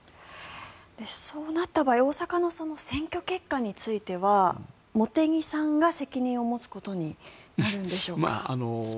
そうなった場合大阪の選挙結果については茂木さんが責任を持つことになるんでしょうか？